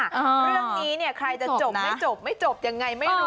เรื่องนี้ใครจะจบไม่จบยังไงไม่รู้